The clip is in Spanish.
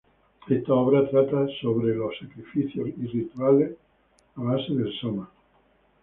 Esta obra trata acerca de los sacrificios y rituales a base del soma.